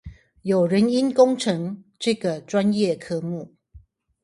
有人因工程這個專業科目